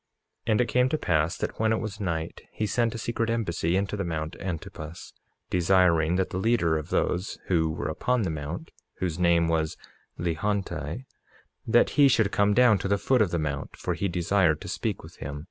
47:10 And it came to pass that when it was night he sent a secret embassy into the mount Antipas, desiring that the leader of those who were upon the mount, whose name was Lehonti, that he should come down to the foot of the mount, for he desired to speak with him.